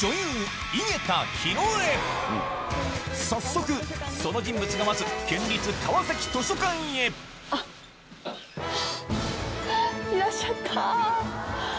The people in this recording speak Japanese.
早速その人物が待つ県立川崎図書館へいらっしゃった。